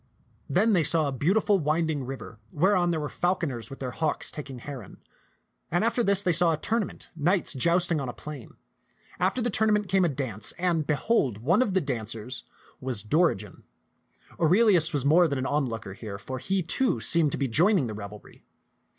Then they saw a beautiful winding river whereon were fal coners with their hawks taking heron. And after this they saw a tournament, knights jousting on a plain. After the tournament came a dance, and behold, one of the dancers was Dorigen. Aurelius was more than an onlooker here, for he, too, seemed to be joining the revelry.